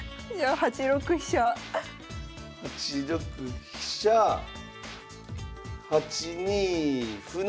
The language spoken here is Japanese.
８六飛車８二歩成。